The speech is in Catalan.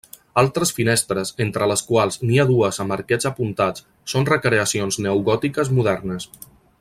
Altres finestres, entre les quals n’hi ha dues amb arquets apuntats, són recreacions neogòtiques modernes.